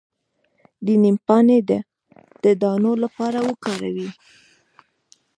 د نیم پاڼې د دانو لپاره وکاروئ